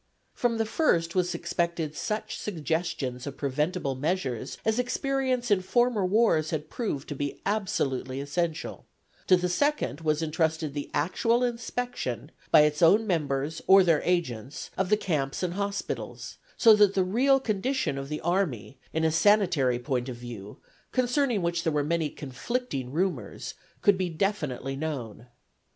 From the first was expected such suggestions of preventable measures as experience in former wars had proved to be absolutely essential; to the second was entrusted the actual inspection, by its own members or their agents, of the camps and hospitals, so that the real condition of the army, in a sanitary point of view, concerning which there were many conflicting rumors, could be definitely known.